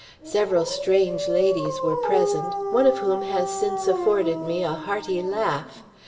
Several strange ladies were present, one of whom has since afforded me a hearty laugh.